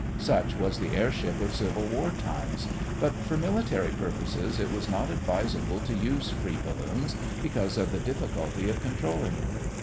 Such was the airship of Civil War times, but for military purposes it was not advisable to use free balloons, because of the difficulty of controlling them.